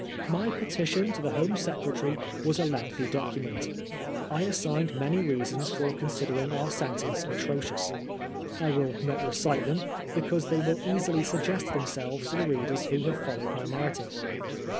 My " petition " to the Home Secretary was a lengthy document. I assigned many reasons for considering our sentence atrocious. I will not recite them, because they will easily suggest themselves to the readers who have followed my narrative.